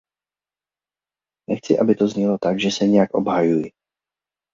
Nechci aby to znělo tak, že se nějak obhajuji.